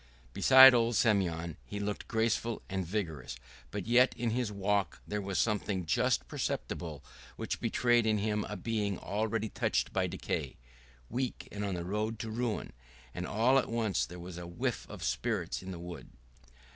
Beside old Semyon he looked graceful and vigorous, but yet in his walk there was something just perceptible which betrayed in him a being already touched by decay, weak, and on the road to ruin. And all at once there was a whiff of spirits in the wood.